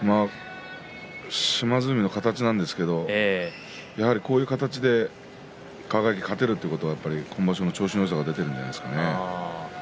島津海の形なんですけれどやはりこういう形で輝、勝てるということは今場所の調子のよさが出ているんじゃないですかね。